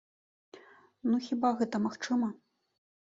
Ну хіба гэта магчыма?